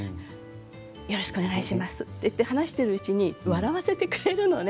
よろしくお願いしますと話しているうちに笑わせてくれるのね。